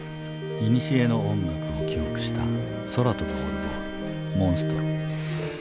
いにしえの音楽を記憶した空飛ぶオルゴール「モンストロ」。